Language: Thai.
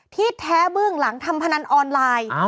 ที่แท้เบื้องหลังทำพนันออนไลน์